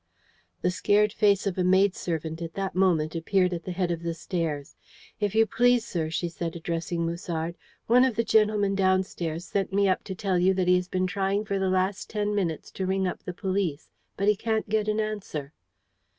The scared face of a maidservant at that moment appeared at the head of the stairs. "If you please, sir," she said, addressing Musard, "one of the gentlemen downstairs sent me up to tell you that he has been trying for the last ten minutes to ring up the police, but he can't get an answer."